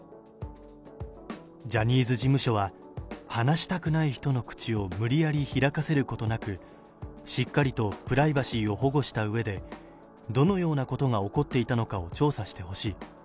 ジャニーズ事務所は話したくない人の口を無理やり開かせることなく、しっかりとプライバシーを保護したうえで、どのようなことが起こっていたのかを調査してほしい。